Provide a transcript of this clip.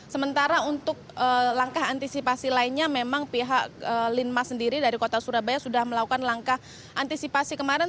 sementara untuk langkah antisipasi lainnya memang pihak linmas sendiri dari kota surabaya sudah melakukan langkah antisipasi kemarin